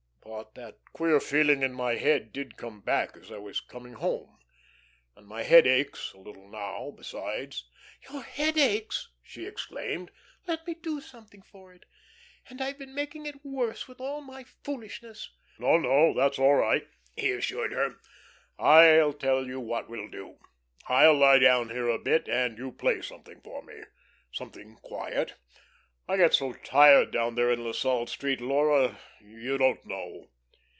But that queer feeling in my head did come back as I was coming home and my head aches a little now, besides." "Your head aches!" she exclaimed. "Let me do something for it. And I've been making it worse with all my foolishness." "No, no; that's all right," he assured her. "I tell you what we'll do. I'll lie down here a bit, and you play something for me. Something quiet. I get so tired down there in La Salle Street, Laura, you don't know."